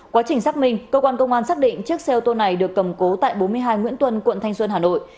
quá trình xác minh công an tỉnh hòa bình xác định chiếc xe ô tô này được cầm cố tại bốn mươi hai nguyễn tuân quận thanh xuân hà nội